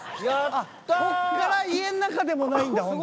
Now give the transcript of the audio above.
こっから家の中でもないんだほんで。